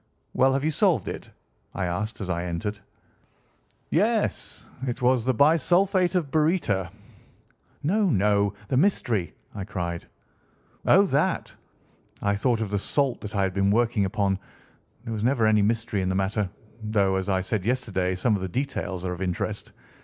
"Well, have you solved it?" I asked as I entered. "Yes. It was the bisulphate of baryta." "No, no, the mystery!" I cried. "Oh, that! I thought of the salt that I have been working upon. There was never any mystery in the matter, though, as I said yesterday, some of the details are of interest.